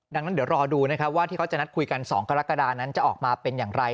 ดังนั้นเดี๋ยวรอดูนะครับว่าที่เขาจะนัดคุยกัน๒กรกฎานั้นจะออกมาเป็นอย่างไร